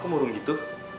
kok murung gitu